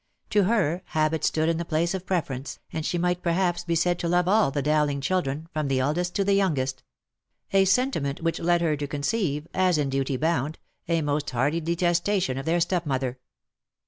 To her, habit stood in the place of preference, and she might perhaps be said to love all the Dowling children, from the eldest to the youngest; a sentiment which led her to conceive, as in duty bound, a most hearty detestation of their step mother.